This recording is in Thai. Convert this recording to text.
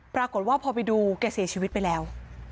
ปรากฏว่าพอไปดูแกเสียชีวิตไปแล้ว